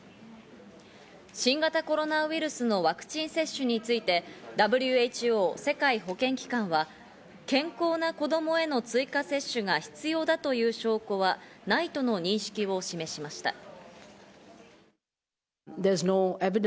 新型コロナウイルスのワクチン接種について、ＷＨＯ＝世界保健機関は健康な子供への追加接種が必要だという証拠はないとの認識を示しました。